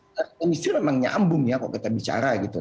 mbak penistri memang nyambung ya kalau kita bicara gitu